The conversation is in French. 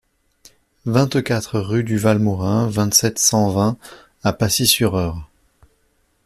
vingt-quatre rue du Val Morin, vingt-sept, cent vingt à Pacy-sur-Eure